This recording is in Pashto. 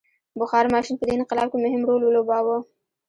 بخار ماشین په دې انقلاب کې مهم رول ولوباوه.